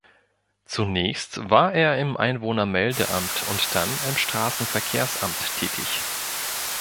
Zunächst war er im Einwohnermeldeamt und dann im Straßenverkehrsamt tätig.